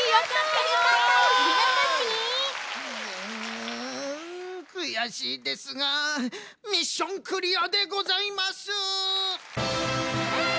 んくやしいですがミッションクリアでございます！